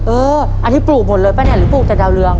เอออันนี้ปลูกหมดเลยปะเนี่ยหรือปลูกแต่ดาวเรือง